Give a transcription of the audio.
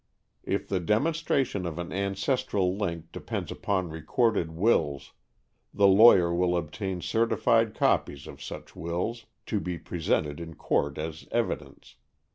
If the demonstration of an ancestral link depends upon recorded wills, the lawyer will obtain certified copies of such wills, to be presented in court as evidence.